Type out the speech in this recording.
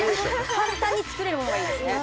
簡単に作れるものがいいですね